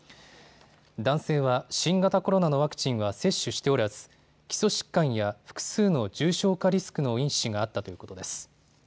男性は新型コロナのワクチンは接種しておらず基礎疾患や複数の重症化リスクの因子があったということです。